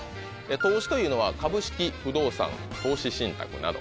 投資というのは株式不動産投資信託など。